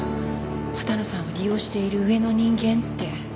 畑野さんを利用している上の人間って。